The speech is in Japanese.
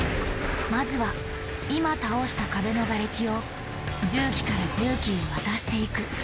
まずは今倒した壁のガレキを重機から重機へ渡していく。